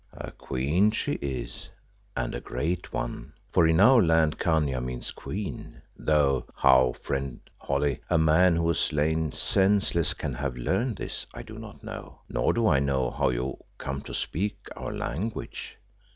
"A queen she is, and a great one, for in our land Khania means queen, though how, friend Holly, a man who has lain senseless can have learned this, I do not know. Nor do I know how you come to speak our language."